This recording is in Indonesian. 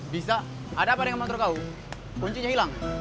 bisa ada apa dengan motor kau kuncinya hilang